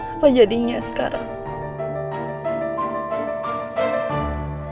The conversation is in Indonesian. apa jadinya sekarang